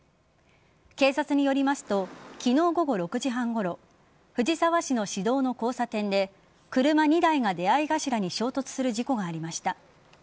警察によりますと昨日午後６時半ごろ藤沢市の市道の交差点で車２台が出合い頭に衝突する事故がありました。